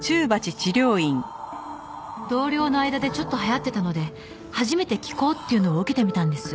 同僚の間でちょっと流行ってたので初めて気功っていうのを受けてみたんです。